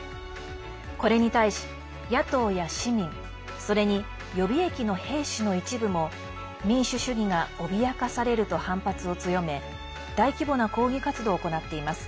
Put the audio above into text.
これに対し、野党や市民それに予備役の兵士の一部も民主主義が脅かされると反発を強め大規模な抗議活動を行っています。